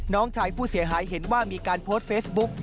น้องชายผู้เสียหายเห็นว่ามีการโพสต์เฟซบุ๊ก